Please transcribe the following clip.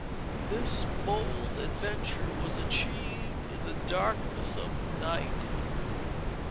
This bold adventure was achieved in the darkness of night.